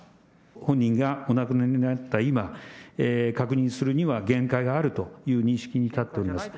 本人がお亡くなりになった今、確認するには、限界があるという認識に立っております。